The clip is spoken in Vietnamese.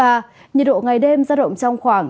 nhiệt độ ngày đêm giao động trong khoảng